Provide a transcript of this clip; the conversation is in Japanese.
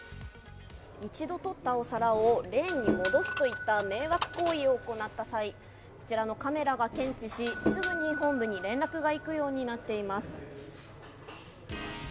一度とったお皿をレーンに戻すという迷惑行為を行った際カメラが感知しすぐに本部に連絡が行くようになっています。